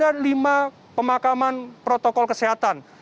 ada lima pemakaman protokol kesehatan